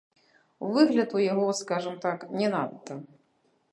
Выгляд у яго, скажам так, не надта.